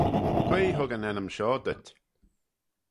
Quoi hug yn ennym shoh dhyt?